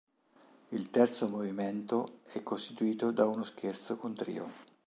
Il terzo movimento è costituito da uno scherzo con trio.